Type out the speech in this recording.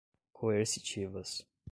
coercitivas